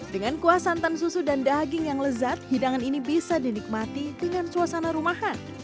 dengan kuah santan susu dan daging yang lezat hidangan ini bisa dinikmati dengan suasana rumahan